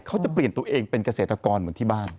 เขาจะเปลี่ยนตัวเองเป็นเกษตรกรเหมือนที่บ้าน